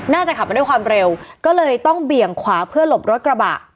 ขับมาด้วยความเร็วก็เลยต้องเบี่ยงขวาเพื่อหลบรถกระบะ